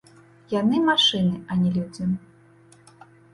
Яны, машыны, а не людзі.